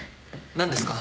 何ですか？